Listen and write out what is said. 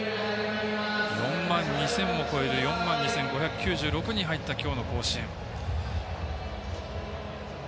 ４万２０００を超える４万２５９６人が入った今日の甲子園。